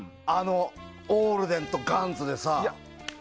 オールデンとガンゾでさ。